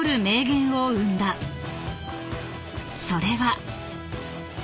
［それは］